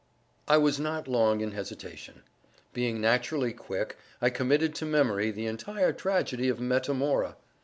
I was not long in hesitation. Being naturally quick, I committed to memory the entire tragedy of "Metamora."